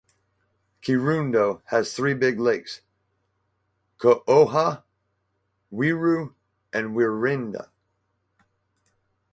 Kirundo has three big lakes: Cohoha, Rweru, and Rwihinda.